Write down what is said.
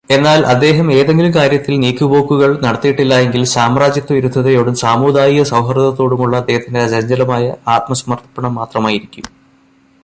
എന്നാല് അദ്ദേഹം എതെങ്കിലും കാര്യത്തില് നീക്കുപോക്കുകള് നടത്തിയിട്ടില്ലായെങ്കില്, സാമ്രാജ്യത്വവിരുദ്ധതയോടും സാമുദായികസൗഹാര്ദത്തോടുമുള്ള അദ്ദേഹത്തിന്റെ അചഞ്ചലമായ ആത്മസമര്പ്പണം മാത്രമായിരിക്കും.